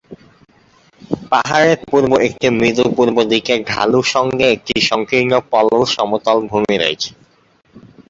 পাহাড়ের পূর্ব একটি মৃদু পূর্ব দিকে ঢালু সঙ্গে একটি সংকীর্ণ পলল সমতল ভূমি রয়েছে।